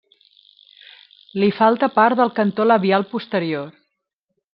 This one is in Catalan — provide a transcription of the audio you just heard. Li falta part del cantó labial posterior.